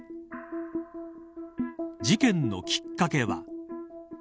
事件のきっかけは。